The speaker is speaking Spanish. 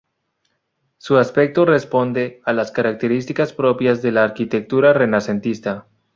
Su aspecto responde a las características propias de la arquitectura renacentista.